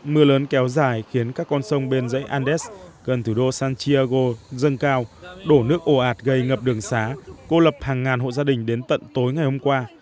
mưa lớn kéo dài khiến các con sông bên dãy andes gần thủ đô san chiego dâng cao đổ nước ồ ạt gây ngập đường xá cô lập hàng ngàn hộ gia đình đến tận tối ngày hôm qua